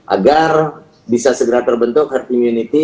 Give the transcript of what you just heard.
agar bisa segera terbentuk herd immunity